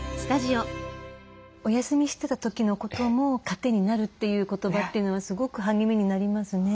お休みしてた時のことも糧になるという言葉というのはすごく励みになりますね。